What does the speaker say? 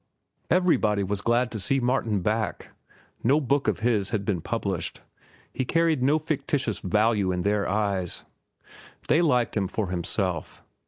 Everybody was glad to see Martin back. No book of his been published; he carried no fictitious value in their eyes. They liked him for himself.